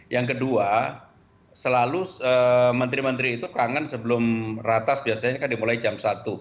yang kedua selalu menteri menteri itu kangen sebelum ratas biasanya kan dimulai jam satu